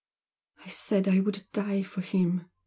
"I said I would die for him!"